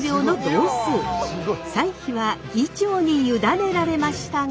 採否は議長に委ねられましたが。